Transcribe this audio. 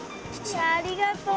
ありがとう。